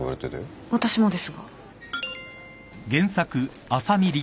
私もですが。